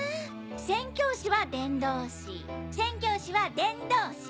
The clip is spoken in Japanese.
宣教師は伝道師宣教師は伝道師。